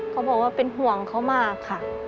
เขาบอกว่าเป็นห่วงเขามากค่ะ